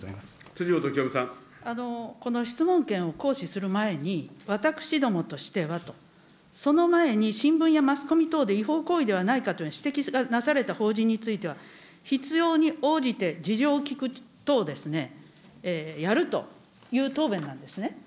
この質問権を行使する前に、私どもとしてはと、その前に新聞やマスコミ等で違法行為ではないかという指摘がなされた法人については、必要に応じて事情を聞く等ですね、やるという答弁なんですね。